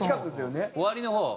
終わりの方？